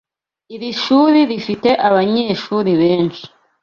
Iri shuri rifite abanyeshuri benshi.